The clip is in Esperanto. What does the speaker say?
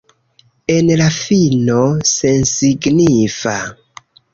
En la fino, sensignifa.